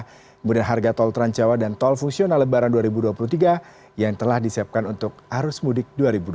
kemudian harga tol transjawa dan tol fungsional lebaran dua ribu dua puluh tiga yang telah disiapkan untuk arus mudik dua ribu dua puluh